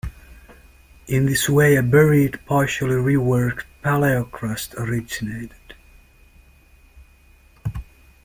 In this way a buried, partially reworked paleokarst originated.